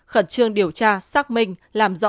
khẩn trương điều tra xác minh làm rõ